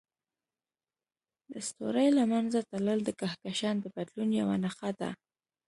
د ستوري له منځه تلل د کهکشان د بدلون یوه نښه ده.